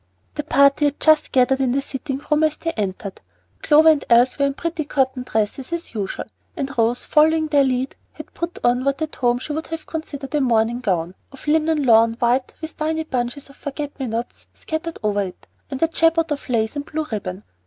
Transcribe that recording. The party had just gathered in the sitting room as they entered. Clover and Elsie were in pretty cotton dresses, as usual, and Rose, following their lead, had put on what at home she would have considered a morning gown, of linen lawn, white, with tiny bunches of forget me nots scattered over it, and a jabot of lace and blue ribbon.